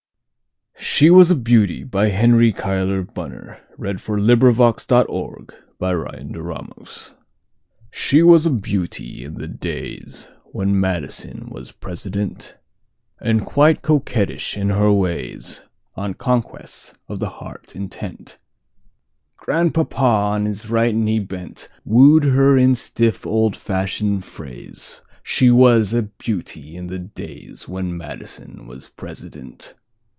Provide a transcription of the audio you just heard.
n Verse. 1912. Henry Cuyler Bunner 1855–1896 Henry Cuyler Bunner 234 She Was a Beauty SHE was a beauty in the daysWhen Madison was President:And quite coquettish in her ways—On conquests of the heart intent. Grandpapa, on his right knee bent, Wooed her in stiff, old fashioned phrase—She was a beauty in the daysWhen Madison was President.